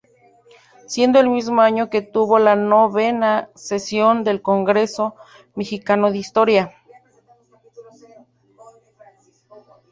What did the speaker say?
Siendo el mismo año que tuvo la novena sesión del Congreso Mexicano de Historia.